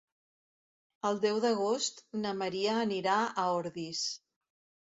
El deu d'agost na Maria anirà a Ordis.